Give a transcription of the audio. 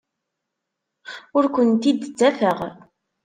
Ur kent-id-ttafeɣ.